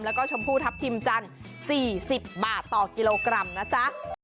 แล้วก็ชมพูทัพทิมจันทร์๔๐บาทต่อกิโลกรัมนะจ๊ะ